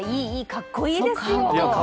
かっこいいですよ。